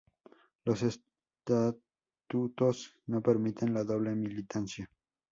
Los estatutos no permiten la doble militancia.